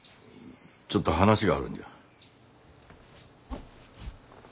ちょっと話があるんじゃ。